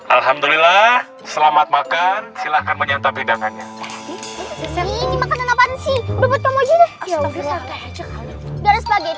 alhamdulillah selamat makan silahkan menyantap hidangannya makanan apaan sih